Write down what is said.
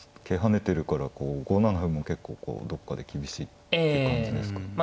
桂跳ねてるからこう５七歩も結構こうどこかで厳しい感じですか。